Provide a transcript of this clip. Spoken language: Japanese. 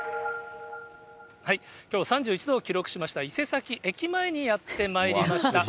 きょう３１度を記録しました、伊勢崎駅前にやってまいりました。